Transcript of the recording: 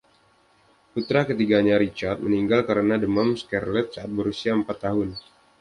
Putra ketiganya, Richard, meninggal karena demam scarlet saat berusia empat tahun.